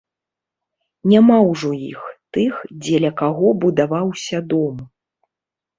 Няма ўжо іх, тых, дзеля каго будаваўся дом.